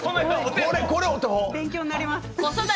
勉強なります。